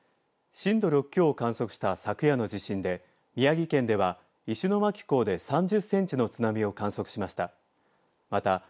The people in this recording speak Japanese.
震度６強を観測した昨夜の地震で宮城県では石巻港で３０センチの津波を観測しました。